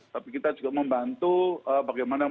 tapi kita juga membantu bagaimana